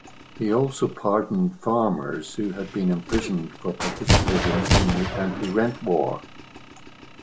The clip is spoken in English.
He also pardoned farmers who had been imprisoned for participating in the Anti-Rent War.